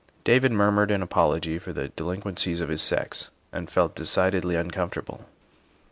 David murmured an apology for the delinquencies of his sex and felt decidedly uncomfortable.